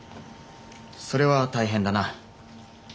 それは大変だな。